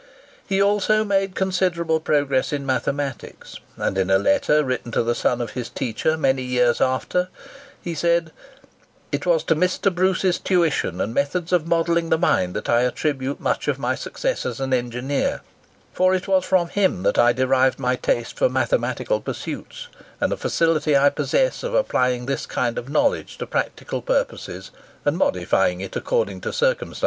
He also made considerable progress in mathematics; and in a letter written to the son of his teacher, many years after, he said, "It was to Mr. Bruce's tuition and methods of modelling the mind that I attribute much of my success as an engineer; for it was from him that I derived my taste for mathematical pursuits and the facility I possess of applying this kind of knowledge to practical purposes and modifying it according to circumstances."